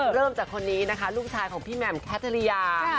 เริ่มจากคนนี้นะคะลูกชายของพี่แหม่มแคทริยา